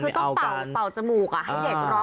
คือต้องเป่าจมูกให้เด็กร้อง